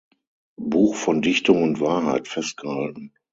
Buch von "Dichtung und Wahrheit" festgehalten.